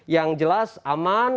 yang jelas aman